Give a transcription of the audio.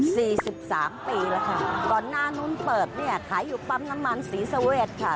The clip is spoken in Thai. สิบสามปีแล้วค่ะก่อนหน้านู้นเปิดเนี่ยขายอยู่ปั๊มน้ำมันศรีสเวทค่ะ